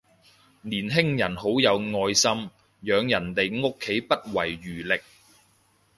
年輕人好有愛心，養人哋屋企不遺餘力